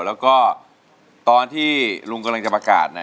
แล้วก็ตอนที่ลุงกำลังจะประกาศ